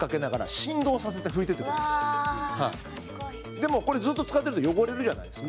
でも、これ、ずっと使ってると汚れるじゃないですか。